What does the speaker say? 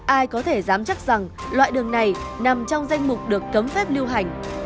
ai có thể dám chắc rằng loại đường này nằm trong danh mục được cấm phép liên quan